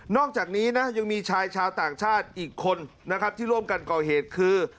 อกจากนี้นะยังมีชายชาวต่างชาติอีกคนนะครับที่ร่วมกันก่อเหตุคือ